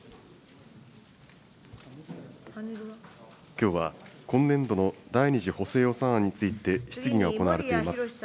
きょうは今年度の第２次補正予算案について、質疑が行われています。